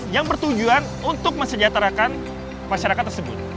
yang bertujuan untuk mensejahterakan masyarakat tersebut